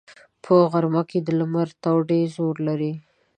په غرمه کې د لمر تاو ډېر زور لري